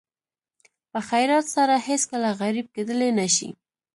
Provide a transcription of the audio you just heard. په خیرات سره هېڅکله غریب کېدلی نه شئ.